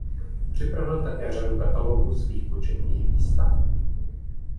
Připravil také řadu katalogů svých početných výstav.